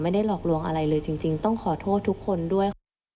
หลอกลวงอะไรเลยจริงต้องขอโทษทุกคนด้วยค่ะ